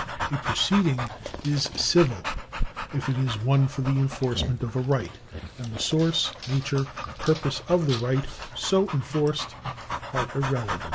A proceeding is civil if it is one for the enforcement of a right, and the source, nature, and purpose of the right so enforced are irrelevant.